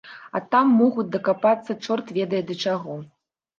А там могуць дакапацца чорт ведае да чаго.